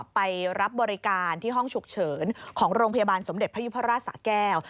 ไปรับบริการที่ห้องฉุกเฉินของโรงพยาบาลสมเด็จพยุพราชสะแก้ว